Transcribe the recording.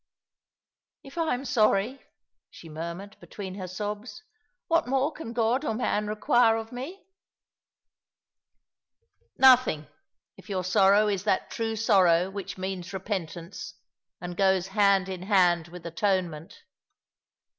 " If I am sorry/' she murmured, between her sobs, " what more can God or man require of me ?"" Nothing, if your sorrow is that true sorrow which means repentance, and goes hand in hand with atonement.